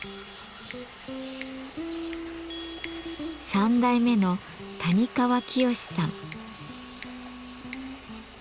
３代目の谷川清さん。